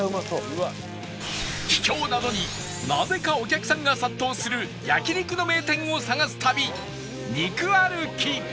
秘境なのになぜかお客さんが殺到する焼肉の名店を探す旅肉歩き